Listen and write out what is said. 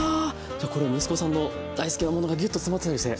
これ息子さんの大好きなものがギュッと詰まってたりして。